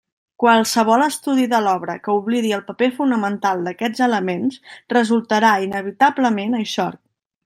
Qualsevol estudi de l'obra que oblidi el paper fonamental d'aquests elements resultarà inevitablement eixorc.